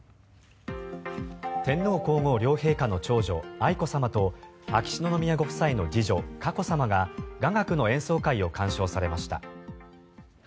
天皇・皇后両陛下の長女愛子さまと秋篠宮ご夫妻の次女佳子さまが雅楽の演奏会を鑑賞されました。